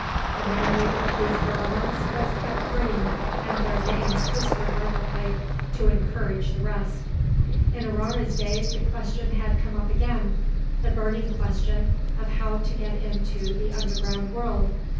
The memory of these heroines was kept green, and their names whispered reverently 'to encourage the rest.' In Aurore's day the question had come up again the burning question of how to get into the underground world.